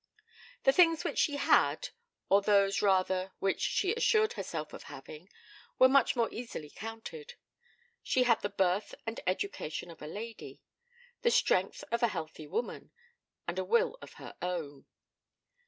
The things which she had, or those rather which she assured herself of having, were much more easily counted. She had the birth and education of a lady, the strength of a healthy woman, and a will of her own.